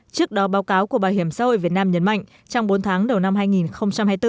trước đó báo cáo của bảo hiểm xã hội việt nam nhấn mạnh trong bốn tháng đầu năm hai nghìn hai mươi bốn